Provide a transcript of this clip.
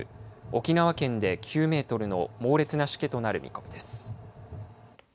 沖縄県で９メートルの猛烈なしけとなる見込みです。